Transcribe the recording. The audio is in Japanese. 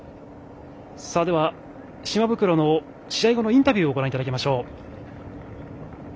島袋の試合後のインタビューをご覧いただきます。